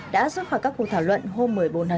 đã rút khỏi các cuộc thảo luận hôm một mươi bốn sáu